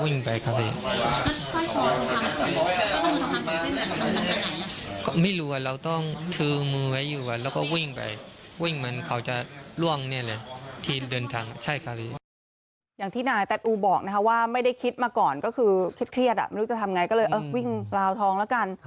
อย่างที่นายแต๊อูบอกนะคะว่าไม่ได้คิดมาก่อนก็คือเครียดไม่รู้จะทำไงก็เลยวิ่งราวทองแล้วกัน